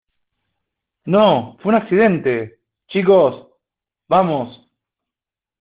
No, fue un accidente , chicos. Vamos .